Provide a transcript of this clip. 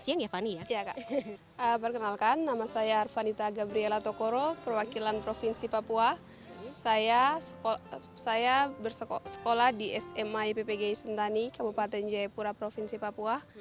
saya sma ippg sentani kabupaten jayapura provinsi papua